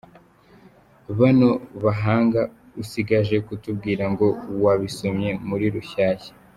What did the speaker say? Bano bahanga. Usigaje kutubwira ngo wabisomye muri Rushyashya.